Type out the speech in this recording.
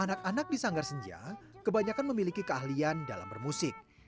anak anak di sanggar senja kebanyakan memiliki keahlian dalam bermusik